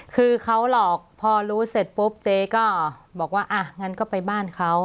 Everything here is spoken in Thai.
คือเขาหลอกพอรู้เสร็จปุ๊บเจ๊ก็บอกว่าอ่ะงั้นก็ไปบ้านเขา